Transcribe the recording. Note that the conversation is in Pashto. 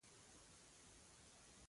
ورور د ژوند ډال وي.